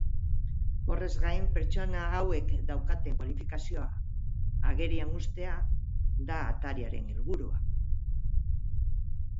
Horrez gain, pertsona hauek daukaten kualifikazioa agerian uztea da atariaren helburua.